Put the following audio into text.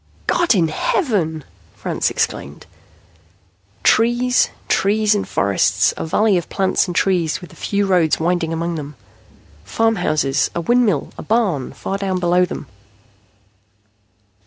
"God in heaven!" Franks exclaimed. Trees, trees and forests. A valley of plants and trees, with a few roads winding among them. Farmhouses. A windmill. A barn, far down below them.